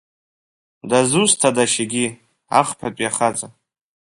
Дызусҭадашь егьи, ахԥатәи ахаҵа?